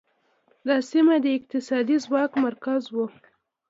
دا سیمه د اقتصادي ځواک مرکز و